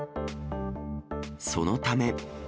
そのため。